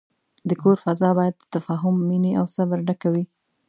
د کور فضا باید د تفاهم، مینې، او صبر ډکه وي.